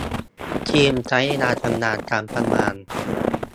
ทีมใช้เวลาทำงานกันประมาณ